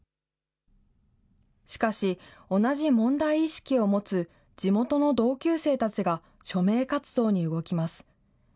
しかし、同じ問題意識を持つ地元の同級生たちが署名活動に動きます。